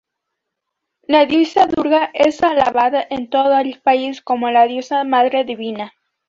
La diosa Durga es alabada en todo el país como la diosa madre divina.